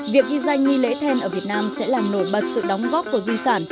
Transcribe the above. việc ghi danh nghi lễ then ở việt nam sẽ làm nổi bật sự đóng góp của di sản